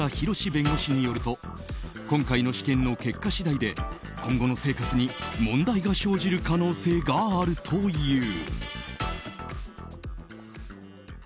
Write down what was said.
弁護士によると今回の試験の結果次第で今後の生活に問題が生じる可能性があるという。